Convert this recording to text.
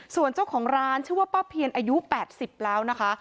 ส่วนเจ้าของร้านชื่อว่าป้าเพียนอายุ๘๐แล้วนะคะ